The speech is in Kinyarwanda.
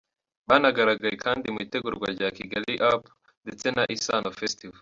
Banagaragaye kandi mu itegurwa rya Kigali Up ndetse na Isano Festival.